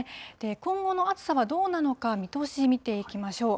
今後の暑さはどうなのか、見通しを見ていきましょう。